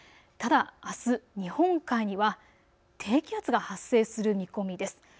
ただあす日本海には低気圧が発生する見込みです。